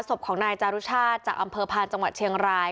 ศพของนายจารุชาติจากอำเภอพานจังหวัดเชียงราย